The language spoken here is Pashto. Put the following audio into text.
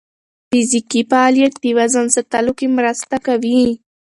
فزیکي فعالیت د وزن ساتلو کې مرسته کوي.